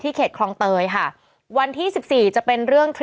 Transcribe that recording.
เป็นการกระตุ้นการไหลเวียนของเลือด